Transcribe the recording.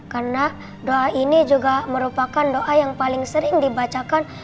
karena doa ini juga merupakan doa yang paling sering dibacakan